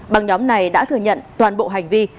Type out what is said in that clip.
băng nhóm này đã thừa nhận toàn bộ hành vi